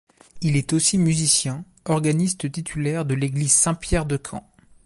Il est aussi musicien, organiste titulaire de l'église Saint-Pierre de Caen.